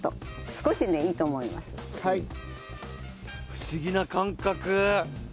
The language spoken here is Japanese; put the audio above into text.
不思議な感覚。